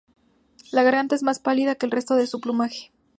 La garganta es más pálida que el resto de su plumaje.